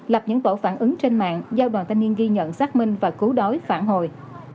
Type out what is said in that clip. lập những tổ phản ứng trên mạng do đoàn thanh niên ghi nhận xác minh và cứu đói phản hồi